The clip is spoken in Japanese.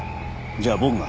じゃあ僕が。